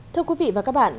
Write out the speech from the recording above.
thưa quý vị và các bạn